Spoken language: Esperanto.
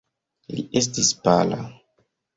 Li estis pala.